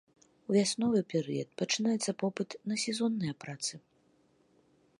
У вясновы перыяд пачынаецца попыт на сезонныя працы.